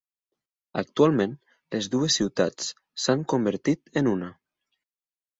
Actualment, les dues ciutats s'han convertit en una.